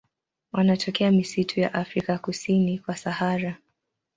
Wanatokea misitu ya Afrika kusini kwa Sahara.